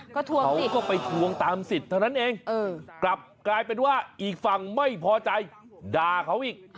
ก็ทวงสิก็ไปทวงตามสิทธิ์เท่านั้นเองกลับกลายเป็นว่าอีกฝั่งไม่พอใจด่าเขาอีก